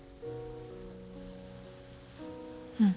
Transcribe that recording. うん。